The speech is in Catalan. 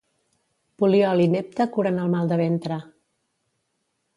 Poliol i nepta curen el mal de ventre.